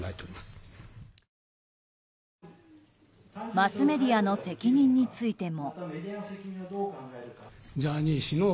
マスメディアの責任についても。